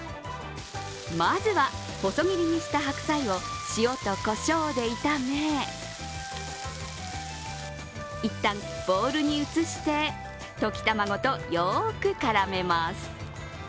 まずは細切りにした白菜を塩とこしょうで炒め、一旦、ボールに移して溶き卵とよく絡めます。